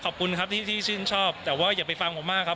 ขอบคุณครับที่ชื่นชอบแต่ว่าอย่าไปฟังผมมากครับ